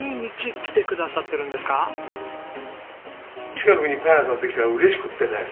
近くにパン屋さんできたのが嬉しくってね。